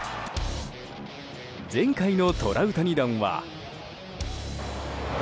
前回のトラウタニ弾は。